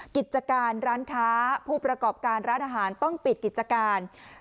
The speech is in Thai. กิจการร้านค้าผู้ประกอบการร้านอาหารต้องปิดกิจการ